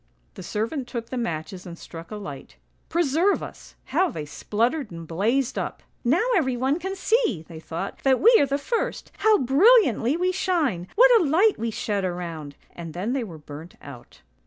" The servant took the matches and struck a light; preserve us ! how they spluttered and blazed up. "' Now everyone can see,' they thought, ' that we are the first. How brilliantly we shine ! What a light we shed around !'— And then they were burnt out."